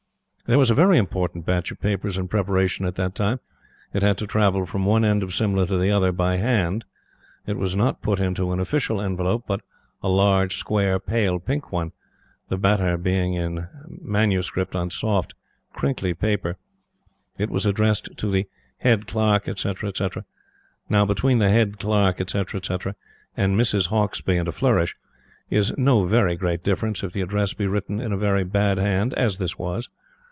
There was a very important batch of papers in preparation at that time. It had to travel from one end of Simla to the other by hand. It was not put into an official envelope, but a large, square, pale pink one; the matter being in MS. on soft crinkley paper. It was addressed to "The Head Clerk, etc., etc." Now, between "The Head Clerk, etc., etc.," and "Mrs. Hauksbee" and a flourish, is no very great difference if the address be written in a very bad hand, as this was.